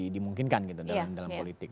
dimungkinkan gitu dalam politik